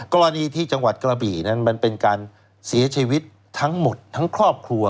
กรณีที่จังหวัดกระบี่นั้นมันเป็นการเสียชีวิตทั้งหมดทั้งครอบครัว